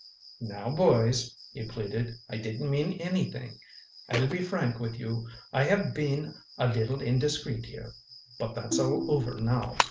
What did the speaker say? "Now, boys," he pleaded, "I didn't mean anything. I'll be frank with you I have been a little indiscreet here. But that's all over now.